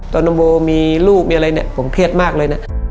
น้องโบมีลูกมีอะไรเนี่ยผมเครียดมากเลยนะ